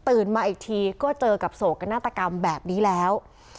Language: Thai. มาอีกทีก็เจอกับโศกนาฏกรรมแบบนี้แล้ว